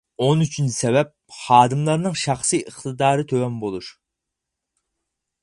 ئون ئۈچىنچى سەۋەب: خادىملارنىڭ شەخسى ئىقتىدارى تۆۋەن بولۇش.